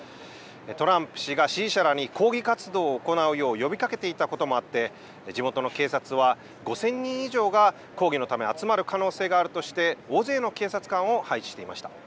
トランプ氏が支持者らに抗議活動を行うよう呼びかけていたこともあって、地元の警察は５０００人以上が抗議のため、集まる可能性があるとして、大勢の警察官を配置していました。